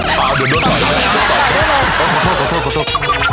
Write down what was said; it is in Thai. โอ้โฮโทษ